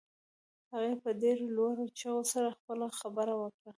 هغې په ډېرو لوړو چيغو سره خپله خبره وکړه.